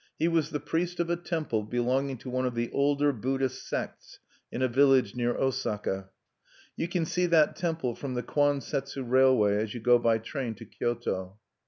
He was the priest of a temple, belonging to one of the older Buddhist sects, in a village near Osaka. (You can see that temple from the Kwan Setsu Railway, as you go by train to Kyoto.)